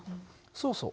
そうそう。